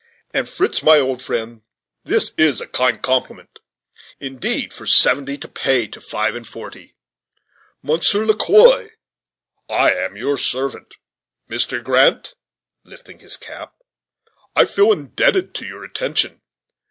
And Fritz, my old friend, this is a kind compliment, indeed, for seventy to pay to five and forty. Monsieur Le Quoi, I am your servant. Mr. Grant," lifting his cap, "I feel indebted to your attention.